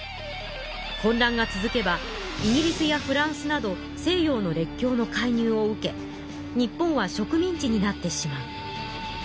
混らんが続けばイギリスやフランスなど西洋の列強の介入を受け日本は植民地になってしまう。